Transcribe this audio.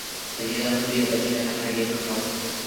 خدیجه د خپل زوی د بد چلند له امله ډېره خفه وه.